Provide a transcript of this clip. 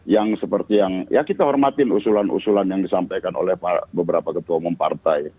yang seperti yang ya kita hormatin usulan usulan yang disampaikan oleh beberapa ketua umum partai